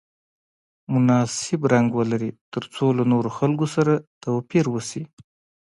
مناسب رنګ ولري ترڅو له نورو خلکو سره توپیر وشي.